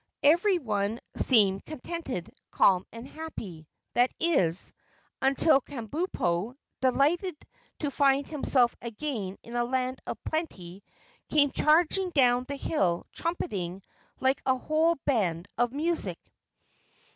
Everyone seemed contented, calm and happy; that is, until Kabumpo, delighted to find himself again in a land of plenty, came charging down the hill trumpeting like a whole band of music.